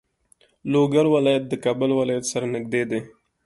لوګر ولایت د کابل ولایت سره نږدې دی.